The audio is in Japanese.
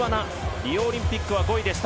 リオオリンピックは５位でした。